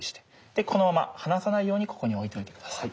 でこのまま離さないようにここに置いておいて下さい。